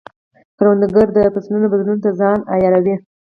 کروندګر د فصلونو بدلون ته ځان عیاروي